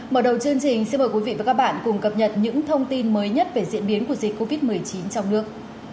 mở đầu chương trình xin mời quý vị và các bạn cùng cập nhật những thông tin mới nhất về diễn biến của dịch covid một mươi chín trong nước